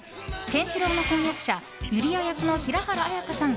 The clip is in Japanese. ケンシロウの婚約者ユリア役の平原綾香さん